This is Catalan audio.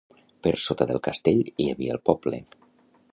Per sota del castell hi havia el poble.